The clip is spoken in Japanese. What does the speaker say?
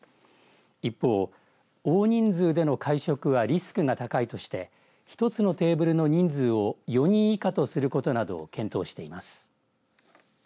一方、大人数での会食はリスクが高いとして１つのテーブルの人数を４人以下とすることなどを検討しています。